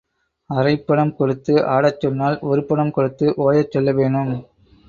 அரைப் பணம் கொடுத்து ஆடச் சொன்னால், ஒருபணம் கொடுத்து ஓயச் சொல்ல வேணும்.